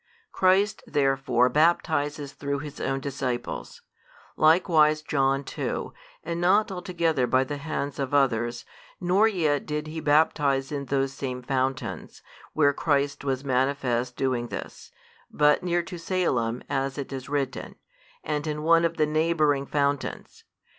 Christ therefore baptizes through His own disciples: likewise John too, and not altogether by the hands of others, nor yet did he baptize in those same fountains, where Christ was manifested doing this, but near to Salim, as it is written, and in one of the neighbouring fountains.